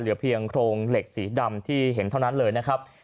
เหลือเพียงโครงเหล็กสีดำที่เห็นเท่านั้นเลยนะครับ